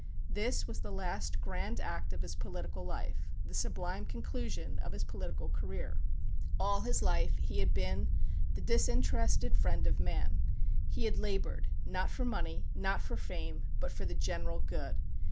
This was the last grand act of his political life the sublime conclusion of his political career. All his life he had been the disinterested friend of man. He had labored not for money, not for fame, but for the general good.